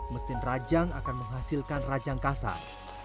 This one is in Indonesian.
mesin rajang akan menghasilkan rajang kasar